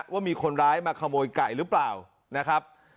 ว่ามีคนร้ายมาขโมยไก่หรือเปล่านะครับ